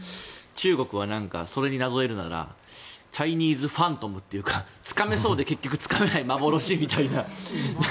中国はそれになぞらえるならチャイニーズファントムというかつかめそうで結局つかめない幻みたいな。